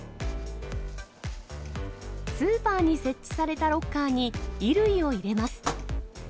スーパーに設置されたロッカーに衣類を入れます。